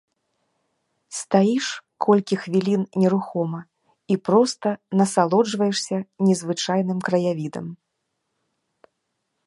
Стаіш колькі хвілін нерухома і проста насалоджваешся незвычайным краявідам.